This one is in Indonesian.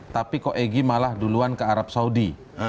tapi kok egy malah duluan ke arab saudi